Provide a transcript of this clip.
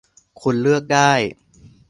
คุณเลือกได้